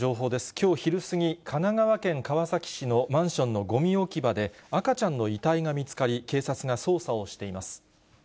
きょう昼過ぎ、神奈川県川崎市のマンションのごみ置き場で、赤ちゃんの遺体が見つかり、警察が捜査をしています。